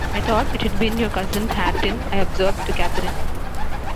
‘I thought it had been your cousin Hareton,’ I observed to Catherine.